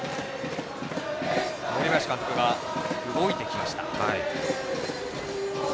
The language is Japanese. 森林監督が動いてきました。